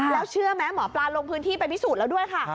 แล้วเชื่อไหมหมอปลาลงพื้นที่ไปพิสูจน์แล้วด้วยค่ะ